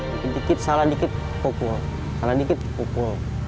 dikit dikit salah dikit kukul salah dikit kukul